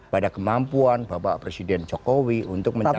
pada kemampuan bapak presiden jokowi untuk mencari jalan